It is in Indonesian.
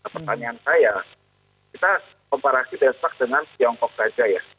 pertanyaan saya kita komparasi despak dengan tiongkok saja ya